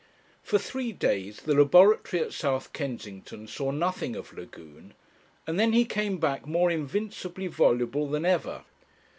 For three days the Laboratory at South Kensington saw nothing of Lagune, and then he came back more invincibly voluble than ever.